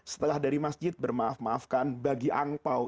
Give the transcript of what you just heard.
setelah dari masjid bermaaf maafkan bagi angpao